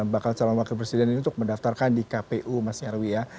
bakal calon wakil presiden ini untuk mendaftarkan di kpu mas nyarwi ya